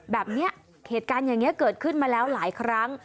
แบบนี้เหตุการณ์อย่างนี้เกิดขึ้นมาแล้วหลายครั้ง